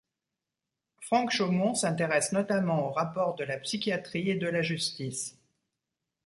Franck Chaumon s'intéresse notamment aux rapports de la psychiatrie et de la justice.